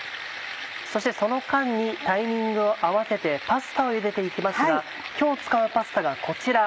そしてその間にタイミングを合わせてパスタをゆでて行きますが今日使うパスタがこちら。